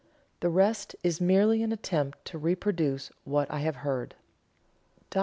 The rest is merely an attempt to reproduce what I have heard." Dr.